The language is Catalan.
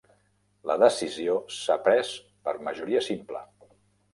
La decisió s'ha pres per majoria simple